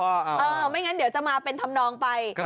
ไม่งั้นเดี๋ยวจะมาเป็นทำนองไป